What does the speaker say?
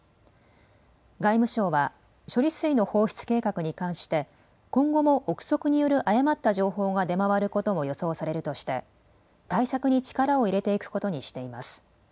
外務省は処理水の放出計画に関して今後も臆測による誤った情報が出回ることも予想されるとして対策に力を入れていくことにしています。